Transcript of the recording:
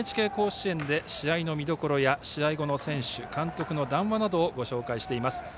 ＮＨＫ甲子園で試合の見どころや試合後の選手、監督の談話などをご紹介しています。